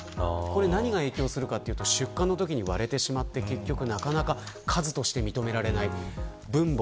何が起きるかというと出荷のときに割れてしまって数として認められない。